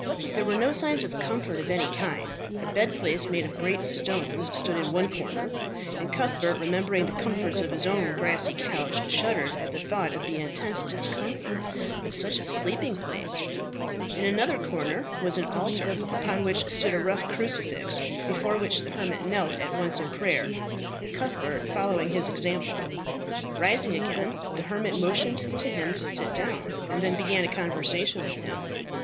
There were no signs of comfort of any kind; a bed place made of great stones stood in one corner, and Cuthbert, remembering the comforts of his own grassy couch, shuddered at the thought of the intense discomfort of such a sleeping place. In another corner was an altar, upon which stood a rough crucifix, before which the hermit knelt at once in prayer, Cuthbert following his example. Rising again, the hermit motioned to him to sit down, and then began a conversation with him.